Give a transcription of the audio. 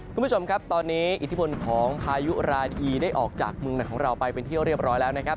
คุณผู้ชมครับตอนนี้อิทธิพลของพายุรายอีได้ออกจากเมืองไหนของเราไปเป็นที่เรียบร้อยแล้วนะครับ